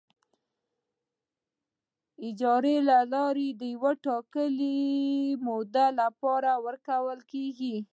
اجارې له لارې د یوې ټاکلې مودې لپاره ورکول کیږي.